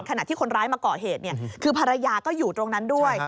ขณะที่คนร้ายมาเกาะเหตุคือภรรยาก็อยู่ตรงนั้นด้วย